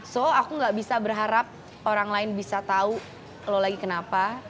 so aku gak bisa berharap orang lain bisa tahu lo lagi kenapa